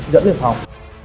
dẫn đến phòng